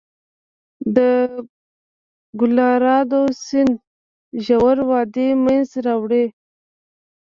د کلورادو سیند ژوره وادي منځته راوړي.